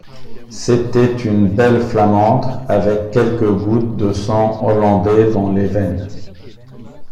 C’était une belle Flamande, avec quelques gouttes de sang hollandais dans les veines.